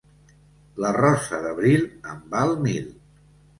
La rosa d'abril en val mil.